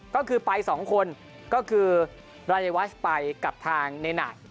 ก็คือไป๒คนก็คือรายวัชไปกับทางเนหน่าย